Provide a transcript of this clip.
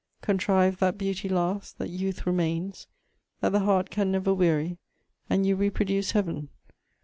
Contrive that beauty lasts, that youth remains, that the heart can never weary, and you reproduce Heaven.